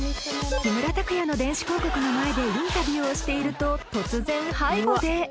木村拓哉の電子広告の前でインタビューをしていると突然背後で！